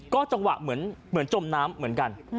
จังหวะเหมือนจมน้ำเหมือนกัน